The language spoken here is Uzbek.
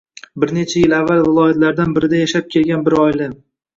Bir necha yil avval viloyatlardan birida yashab kelgan bir oila